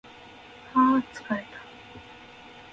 はー疲れた